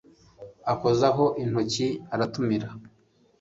akozaho intoki aratamira